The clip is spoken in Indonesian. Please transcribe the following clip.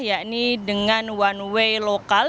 yakni dengan one way lokal